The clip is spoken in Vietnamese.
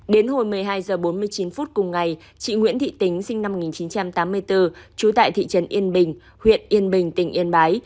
đến hồi một mươi hai h bốn mươi chín phút cùng ngày chị nguyễn thị tính sinh năm một nghìn chín trăm tám mươi bốn trú tại thị trấn yên bình huyện yên bình tỉnh yên bái